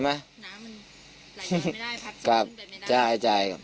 น้ำมันไหลย้อนไม่ได้พัดขึ้นไม่ได้